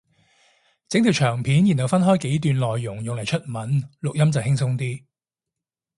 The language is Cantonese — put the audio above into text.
整條長片然後分開幾段內容用嚟出文錄音就輕鬆啲